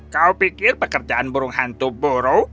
kau pikir pekerjaan burung hantu buruk